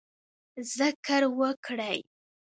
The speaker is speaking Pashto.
ذکر وکړئ